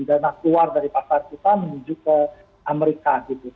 dana keluar dari pasar kita menuju ke amerika